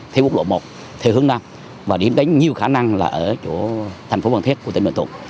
theo quốc lộ một theo hướng nam và điểm đánh nhiều khả năng là ở thành phố văn thét của tỉnh bình thuận